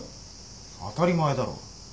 当たり前だろ。